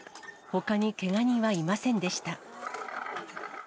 ほかにけが人はいませんでした。